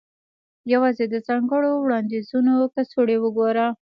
یوازې د ځانګړو وړاندیزونو کڅوړې وګوره